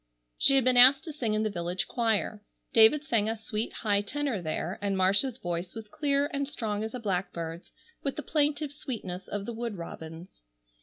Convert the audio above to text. She had been asked to sing in the village choir. David sang a sweet high tenor there, and Marcia's voice was clear and strong as a blackbird's, with the plaintive sweetness of the wood robin's.